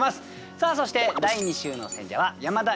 さあそして第２週の選者は山田佳乃さんです。